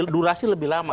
durasi lebih lama